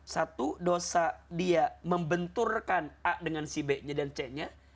satu dosa dia membenturkan a dengan si b nya dan c nya